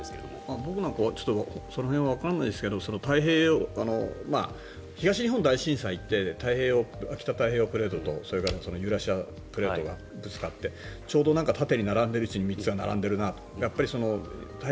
僕はその辺はわかりませんが東日本大震災って北太平洋プレートとそれからユーラシアプレートがぶつかってちょうど縦に並んでいる位置に３つ並んでいるなと。